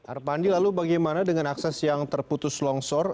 arpandi lalu bagaimana dengan akses yang terputus longsor